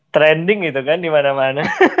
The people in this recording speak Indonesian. trending gitu kan dimana mana